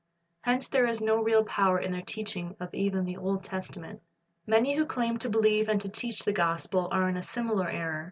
"^ Hence there is no real power in their teaching of even the Old Testament. Many who claim to believe and to teach the gospel are in a similar error.